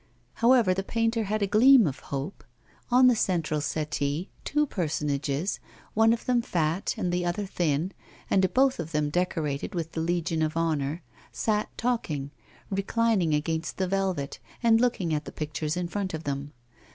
However, the painter had a gleam of hope. On the central settee, two personages, one of them fat and the other thin, and both of them decorated with the Legion of Honour, sat talking, reclining against the velvet, and looking at the pictures in front of them.